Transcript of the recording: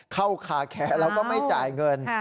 คาแคร์แล้วก็ไม่จ่ายเงิน